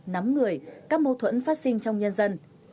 nắm người các mâu thuẫn phát sinh trong nhân dân